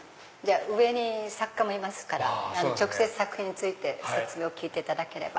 上に作家もいますから直接作品について説明を聞いていただければ。